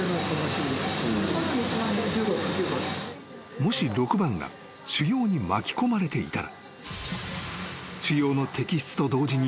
［もし６番が腫瘍に巻き込まれていたら］